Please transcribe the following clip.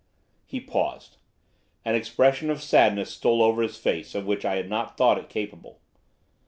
He paused. An expression of sadness stole over his face of which I had not thought it capable.